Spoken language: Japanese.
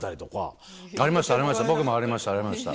ありましたありました